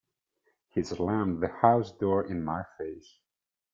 He slammed the house door in my face.